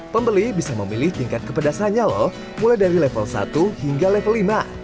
pembeli bisa memilih tingkat kepedasannya loh mulai dari level satu hingga level lima